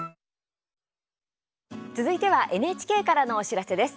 続いてはＮＨＫからのお知らせです。